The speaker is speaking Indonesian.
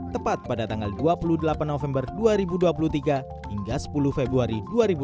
tepat pada tanggal dua puluh delapan november dua ribu dua puluh tiga hingga sepuluh februari dua ribu dua puluh